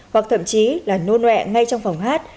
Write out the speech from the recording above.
hoặc thậm chí là nô nọe ngay trong phòng hát